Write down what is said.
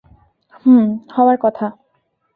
হুম, হওয়ার কথা।